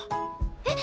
えっ！？